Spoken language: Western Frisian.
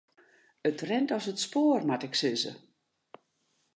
It rint as it spoar moat ik sizze.